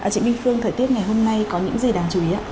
chị minh phương thời tiết ngày hôm nay có những gì đáng chú ý ạ